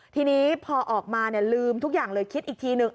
ทีนี้พอออกมาลืมทุกอย่างเลยคิดอีกทีนึง